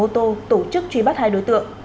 tổ chức truy bắt hai đối tượng